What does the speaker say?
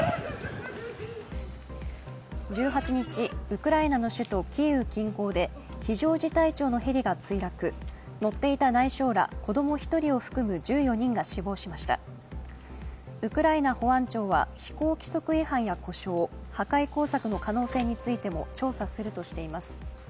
１８日、ウクライナの首都キーウ近郊で非常事態庁のヘリが墜落乗っていた内相ら、子供１人を含む１４人が死亡しましたウクライナ保安庁は飛行規則違反や故障、破壊工作の可能性についても調査するとしています。